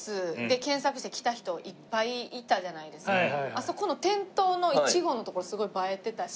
あそこの店頭のいちごの所すごい映えてたし。